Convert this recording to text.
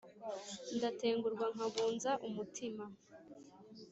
Ndatengurwa nkabunza umutima,